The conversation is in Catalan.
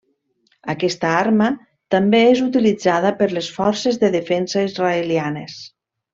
Aquesta arma també és utilitzada per les Forces de Defensa Israelianes.